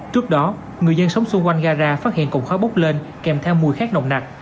trước đó người dân sống xung quanh gara phát hiện cổng khói bốc lên kèm theo mùi khát nồng nặt